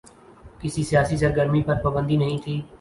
کسی سیاسی سرگرمی پر پابندی نہیں تھی۔